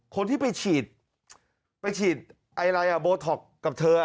คนที่ไปฉีดไปฉีดหายลัยบท็อกกับเธอ